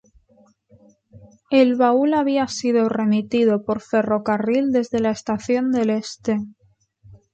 El baúl había sido remitido por ferrocarril desde la estación del Este.